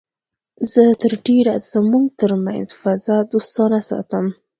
زه تر ډېره زموږ تر منځ فضا دوستانه ساتم